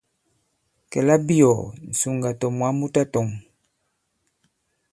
Kɛ̌ labiɔ̀ɔ̀, ŋ̀sùŋgà tɔ̀ mwǎ mu tatɔ̄ŋ.